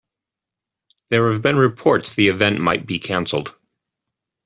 There have been reports the event might be canceled.